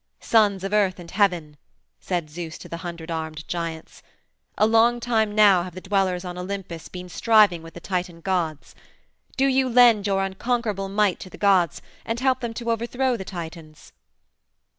"Sons of Earth and Heaven," said Zeus to the hundred armed giants, "a long time now have the Dwellers on Olympus been striving with the Titan gods. Do you lend your unconquerable might to the gods and help them to overthrow the Titans."